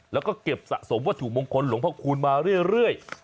แล้วก็เก็บสะสมวัตถุมงคลหลวงพระคูณมาเรื่อย